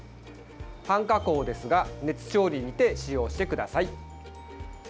半加工ですが熱調理にて使用してください。